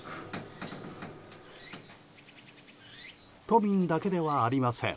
都民だけではありません。